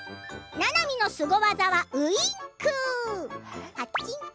ななみのすご技はウインク。